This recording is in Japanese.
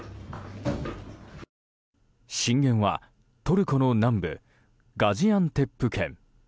震源はトルコの南部ガジアンテップ県。